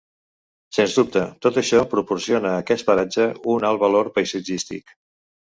Sens dubte, tot això proporciona a aquest paratge un alt valor paisatgístic.